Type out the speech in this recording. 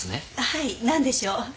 はいなんでしょう？